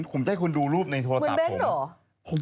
เป็นคนดูรูปโทรศาสตร์ของ